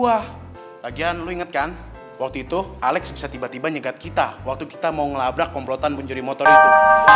wah lagian lu inget kan waktu itu alex bisa tiba tiba nyegat kita waktu kita mau ngelabrak komplotan pencuri motor itu